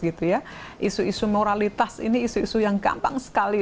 isu isu moralitas ini isu isu yang gampang sekali